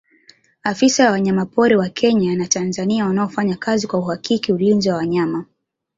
afisa wa wanyamapori wa kenya na tanzania wanaofanya kazi kwa kuhakiki ulinzi wa wanyama